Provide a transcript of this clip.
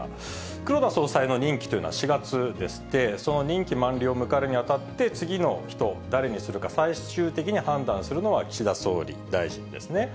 黒田総裁の任期というのは、４月でして、その任期満了を迎えるにあたって次の人、誰にするか、最終的に判断するのは、岸田総理大臣ですね。